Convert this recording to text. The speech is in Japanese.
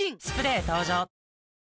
スプレー登場！